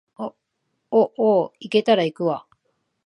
お、おう、行けたら行くわ